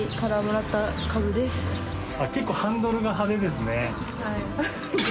結構ハンドルが派手ですね。